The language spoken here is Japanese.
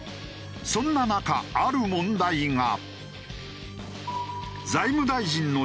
そんな中ある問題が。